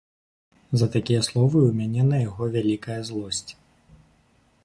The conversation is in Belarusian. За такія словы ў мяне на яго вялікая злосць.